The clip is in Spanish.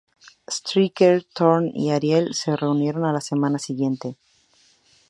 Striker, Thorn, y Ariel se unieron a la semana siguiente.